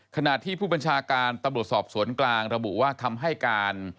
ขณะที่ผู้บัญชาการตำรวจสอบสวนกลางระบุว่าคำให้การ